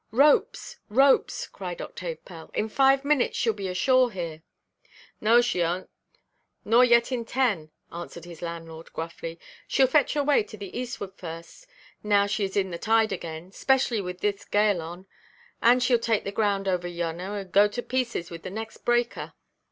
"Ropes, ropes!" cried Octave Pell; "in five minutes sheʼll be ashore here." "No, she 'ont, nor yet in ten," answered his landlord, gruffly; "sheʼll fetch away to the eastward first, now she is in the tide again, specially with this gale on; and sheʼll take the ground over yonner, and go to pieces with the next breaker."